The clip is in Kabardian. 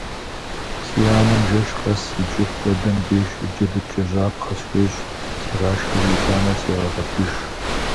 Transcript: Си анэм жэщ къэс иджы хуэдэм деж джэдыкӀэжьапхъэ схуещӀ, сегъашхэри, итӀанэ сегъэгъуэлъыж.